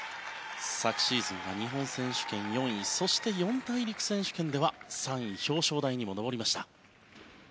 昨シーズンは日本選手権４位そして四大陸選手権では３位、表彰台にも上りました。